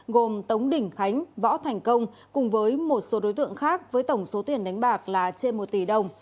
gồm tống đình khánh võ thành công cùng với một số đối tượng khác với tổng số tiền đánh bạc là trên một tỷ đồng